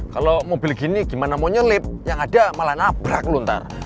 kalau mobil gini gimana mau nyelip yang ada malah nabrak lontar